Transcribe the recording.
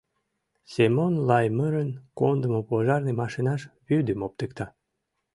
— Семон Лаймырын кондымо пожарный машинаш вӱдым оптыкта.